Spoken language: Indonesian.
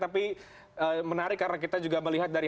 tapi menarik karena kita juga melihat dari